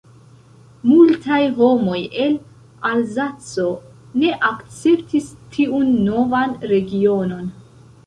Multaj homoj el Alzaco ne akceptis tiun novan regionon.